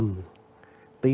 đóng thân thân thân